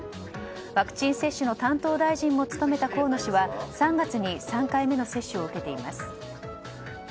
ワクチン接種の担当大臣も務めた河野氏は３月に３回目の接種を受けています。